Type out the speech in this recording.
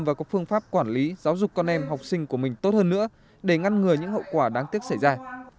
và có phương pháp quản lý giáo dục con em học sinh của mình tốt hơn nữa để ngăn ngừa những hậu quả đáng tiếc xảy ra